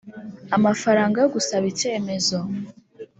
Amafaranga yo gusaba icyemezo